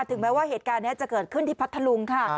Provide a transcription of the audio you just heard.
ถึงแม้ว่าเหตุการณ์นี้จะเกิดขึ้นที่พัทธลุงค่ะ